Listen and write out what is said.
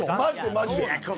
マジで。